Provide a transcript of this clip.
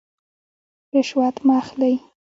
رشوت مه اخلئ